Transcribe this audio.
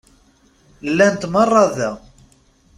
Llant meṛṛa da.